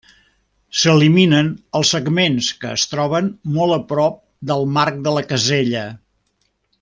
S’eliminen els segments que es troben molt a prop del marc de la casella.